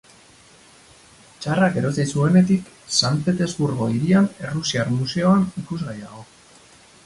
Tsarrak erosi zuenetik San Petersburgo hirian Errusiar Museoan ikusgai dago.